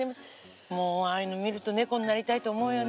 もうああいうの見ると猫になりたいと思うよね。